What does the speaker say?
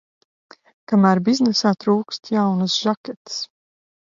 Kamēr biznesā trūkst jaunas žaketes.